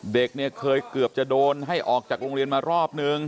เด็กเนี่ยเคยเกือบจะโดนให้ออกจากโรงเรียนมารอบนึง